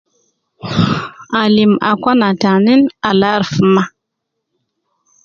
Alim akwana tanin al aruf ma